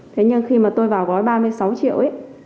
thế nhưng khi mà tôi vào gói ba mươi sáu triệu ấy